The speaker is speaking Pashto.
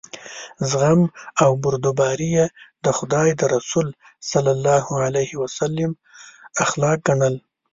زغم او بردباري یې د خدای د رسول صلی الله علیه وسلم اخلاق ګڼل.